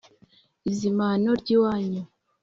izimano ry’iwanyu